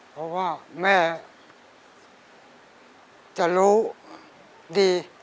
เพราะว่าแม่จะรู้ดี